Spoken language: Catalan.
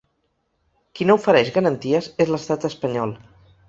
Qui no ofereix garanties és l’estat espanyol.